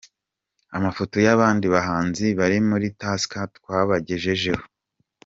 Amafoto y’abandi bahanzi bari muri Tusker twabagejejeho:.